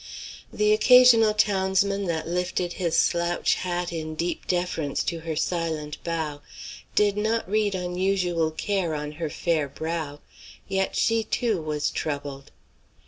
The occasional townsman that lifted his slouch hat in deep deference to her silent bow, did not read unusual care on her fair brow; yet she, too, was troubled.